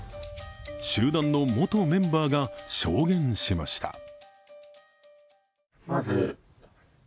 集団の元メンバーが証言しました。